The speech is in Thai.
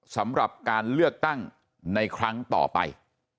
สำหรับการเลือกตั้งในครั้งต่อไป